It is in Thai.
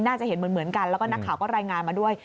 น่าจะเห็นเหมือนกันแล้วก็นักข่าวก็รายงานมาด้วย